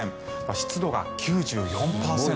湿度が９４％。